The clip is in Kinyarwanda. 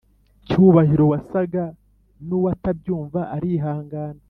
cyubahiro wasaga nuwutabyumva arihangana